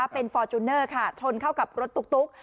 เป็นฟอร์จูเนอร์ค่ะชนเข้ากับรถตุ๊ก